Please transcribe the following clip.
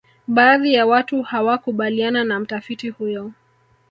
baadhi ya watu hawakubaliana na mtafiti huyo